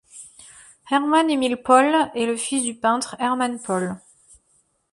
Hermann Emil Pohle est le fils du peintre Hermann Pohle.